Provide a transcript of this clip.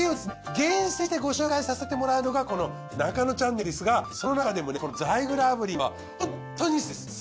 厳選してご紹介させてもらうのがこの『ナカノチャンネル』ですがその中でもねこのザイグル炙輪はホントにすごいです！